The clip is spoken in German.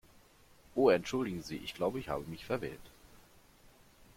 Oh entschuldigen Sie, ich glaube, ich habe mich verwählt.